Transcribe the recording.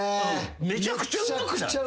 めちゃくちゃうまくない？